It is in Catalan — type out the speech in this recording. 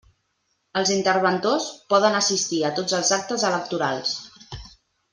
Els interventors poden assistir a tots els actes electorals.